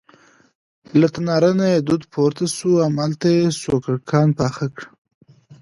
له تناره نه یې دود پورته شو، هماغلته سوکړکان پاخه کړه.